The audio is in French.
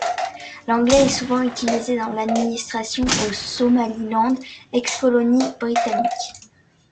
L'anglais est souvent utilisé dans l'administration au Somaliland, ex-colonie britannique.